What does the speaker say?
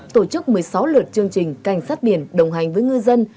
tổ chức một mươi sáu lượt chương trình cảnh sát biển đồng hành với ngư dân